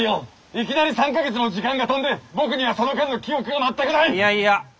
いきなり３か月も時間が飛んで僕にはその間の記憶がまったくないッ！